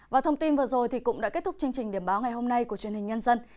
và thông tin vừa rồi cũng đã kết thúc chương trình điểm báo ngày hôm nay của truyền hình nhân dân